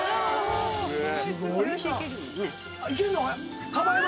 すごいな！